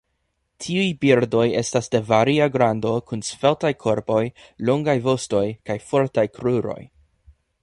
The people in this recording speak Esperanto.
Tiuj birdoj estas de varia grando kun sveltaj korpoj, longaj vostoj kaj fortaj kruroj.